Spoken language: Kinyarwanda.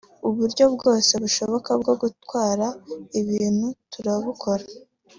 uburyo bwose bushoboka bwo gutwara ibintu turabukora